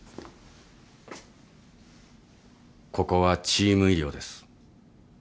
ここはチーム医療です。